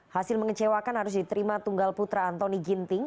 hasil mengecewakan harus diterima tunggal putra antoni ginting